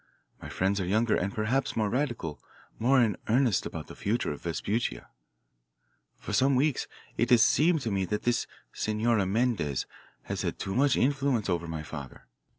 My friends are younger and perhaps more radical, more in earnest about the future of Vespuccia. "For some weeks it has seemed to me that this Senora Mendez has had too much influence over my father.